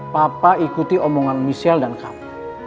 papa ikuti omongan michelle dan kamu